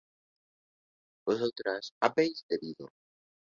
vosotras habéis bebido